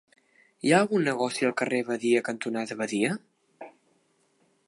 Hi ha algun negoci al carrer Badia cantonada Badia?